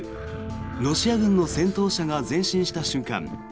ロシア軍の戦闘車が前進した瞬間